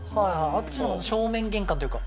あっち正面玄関というか。